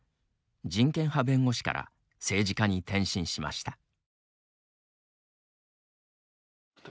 人権派弁護士から政治家に転身しました。